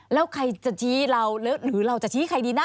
แล้วใครจะชี้เราหรือเราจะชี้ให้ใครดีนะ